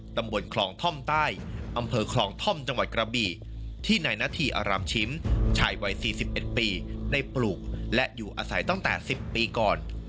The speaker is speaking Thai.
ตำบลคลองท่อมใต้อำเภอคลองท่อมจังหวัดกระบี่ที่นายนาธีอารามชิมชายวัย๔๑ปีได้ปลูกและอยู่อาศัยตั้งแต่๑๐ปีก่อน